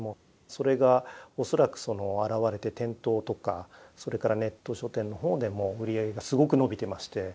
それが恐らく表れて店頭とかそれからネット書店のほうでも売り上げがすごく伸びていまして。